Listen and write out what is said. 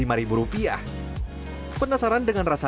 ikan cere goreng ini pas dinikmati dengan air tawar